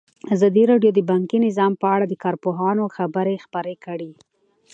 ازادي راډیو د بانکي نظام په اړه د کارپوهانو خبرې خپرې کړي.